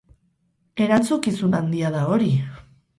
Erantzukizun handia da hori!